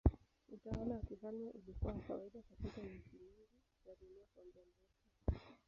Utawala wa kifalme ulikuwa wa kawaida katika nchi nyingi za dunia kwa muda mrefu.